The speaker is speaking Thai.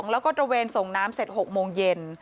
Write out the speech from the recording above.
แล้วก็ตระเวนส่งน้ำเสร็จ๖โมงเย็น